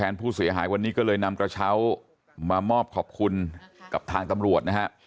นร์กระเช้ามามอบขอบคุณกับทางตำรวจนะฮะ